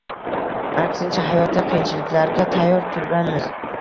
Aksincha, hayotda qiyinchiliklarga tayyor turganmiz.